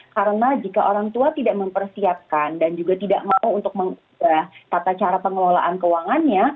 karena jika orang tua tidak mempersiapkan dan juga tidak mau untuk mengubah tata cara pengelolaan keuangannya